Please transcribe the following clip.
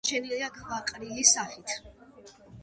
შემორჩენილია ქვაყრილის სახით.